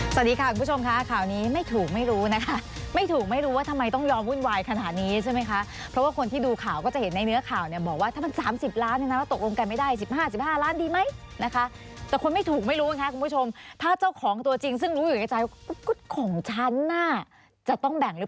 สวัสดีค่ะคุณผู้ชมค่ะข่าวนี้ไม่ถูกไม่รู้นะคะไม่ถูกไม่รู้ว่าทำไมต้องยอมวุ่นวายขนาดนี้ใช่ไหมคะเพราะว่าคนที่ดูข่าวก็จะเห็นในเนื้อข่าวเนี่ยบอกว่าถ้ามัน๓๐ล้านเนี่ยนะว่าตกลงกันไม่ได้สิบห้าสิบห้าล้านดีไหมนะคะแต่คนไม่ถูกไม่รู้นะคะคุณผู้ชมถ้าเจ้าของตัวจริงซึ่งรู้อยู่ในใจของฉันน่ะจะต้องแบ่งหรือ